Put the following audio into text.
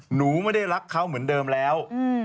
หนูไม่ได้รักเขาเหมือนเดิมแล้ว